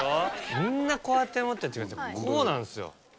みんなこうやって持ってる違う違うこうなんですよ。